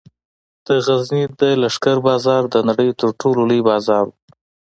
د غزني د لښکر بازار د نړۍ تر ټولو لوی بازار و